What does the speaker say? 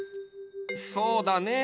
そうだね。